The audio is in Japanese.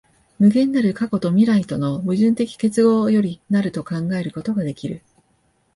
無限なる過去と未来との矛盾的結合より成ると考えることができる。